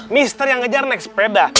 mr yang ngejar naik sepeda